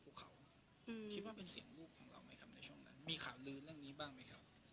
คิดว่าเป็นเสียงลูกของเราไหมครับในช่วงนั้นมีข่าวลือเรื่องนี้บ้างไหมครับ